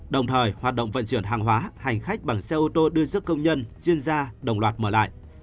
đồng thời hoạt động vận chuyển hàng hóa hành khách bằng xe ô tô đưa dước công nhân chuyên gia đồng loạt mở lại